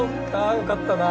よかったな。